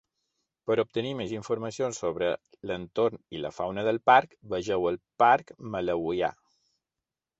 Per obtenir més informació sobre l'entorn i la fauna del parc, vegeu el parc malawià.